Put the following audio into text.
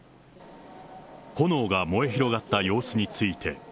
炎が燃え広がった様子について。